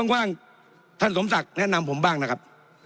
ว่างท่านสมศักดิ์แนะนำผมบ้างนะครับ